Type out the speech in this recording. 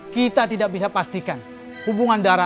kita tidak bisa pastikan hubungan darah